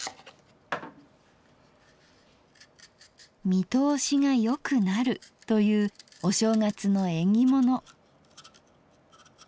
見通しがよくなるというお正月の縁起物。